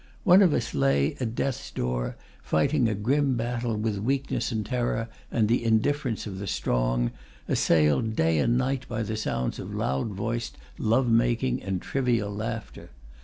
One of us lay at death's door, fighting a grim battle with weakness and terror and the indifference of the strong, assailed day and night by the sounds of loud voiced love making and trivial laughter.